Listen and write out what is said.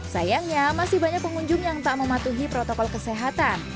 sayangnya masih banyak pengunjung yang tak mematuhi protokol kesehatan